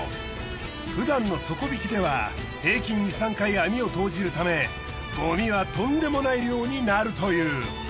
ふだんの底引きでは平均２３回網を投じるためごみはとんでもない量になるという。